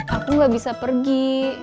aku gak bisa pergi